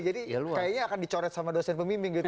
jadi kayaknya akan dicoret sama dosen pemimpin gitu